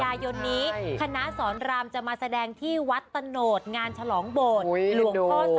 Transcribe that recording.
ไหนที่จะโชว์เราที่เราจะโชว์วันนี้